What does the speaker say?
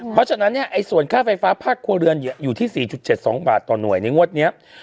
เพราะฉะนั้นเนี่ยส่วนค่าไฟฟ้าภาคครัวเรือนอยู่ที่๔๗๒บาทต่อหน่วยในงวดนี้